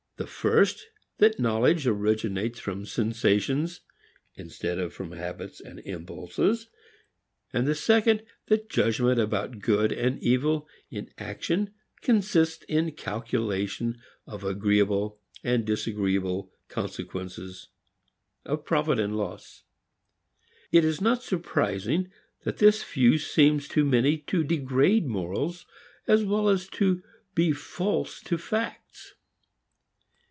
The first, that knowledge originates from sensations (instead of from habits and impulses); and the second, that judgment about good and evil in action consists in calculation of agreeable and disagreeable consequences, of profit and loss. It is not surprising that this view seems to many to degrade morals, as well as to be false to facts.